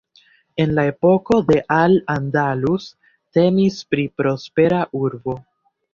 En la epoko de Al Andalus temis pri prospera urbo.